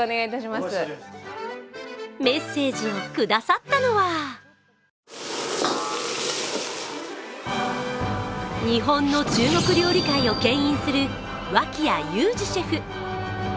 メッセージをくださったのは日本の中国料理界をけん引する脇屋友詞シェフ。